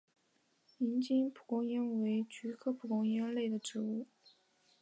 锡金蒲公英为菊科蒲公英属的植物。